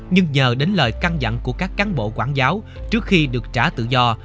nhưng nhờ đến lời căng dặn của các cán bộ quảng giáo trước khi được trả tự do